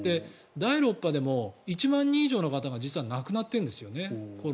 第６波でも１万人以上の方がコロナで亡くなってるんですよね。